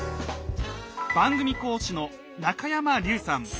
番組講師の中山隆さん。